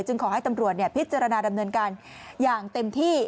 ขอให้ตำรวจพิจารณาดำเนินการอย่างเต็มที่